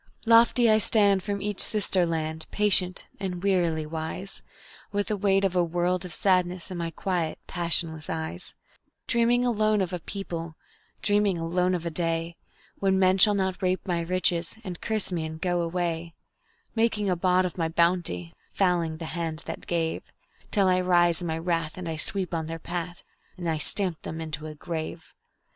"Lofty I stand from each sister land, patient and wearily wise, With the weight of a world of sadness in my quiet, passionless eyes; Dreaming alone of a people, dreaming alone of a day, When men shall not rape my riches, and curse me and go away; Making a bawd of my bounty, fouling the hand that gave Till I rise in my wrath and I sweep on their path and I stamp them into a grave.